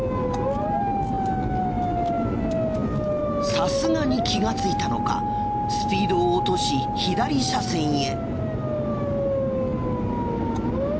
さすがに気がついたのかスピードを落とし左車線へ。